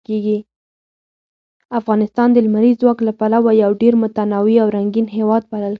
افغانستان د لمریز ځواک له پلوه یو ډېر متنوع او رنګین هېواد بلل کېږي.